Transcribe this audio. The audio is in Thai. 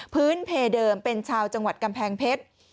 พื้นเพเดิมเป็นชาวจังหวัดกำแพงเพชร